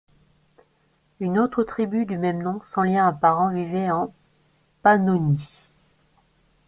Une autre tribu du même nom, sans lien apparent, vivait en Pannonie.